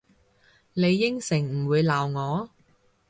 你應承唔會鬧我？